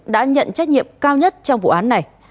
đã nhận trách nhiệm cao nhất trong vụ án này